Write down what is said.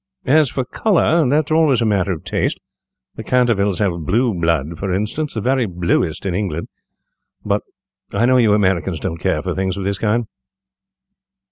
As for colour, that is always a matter of taste: the Cantervilles have blue blood, for instance, the very bluest in England; but I know you Americans don't care for things of this kind."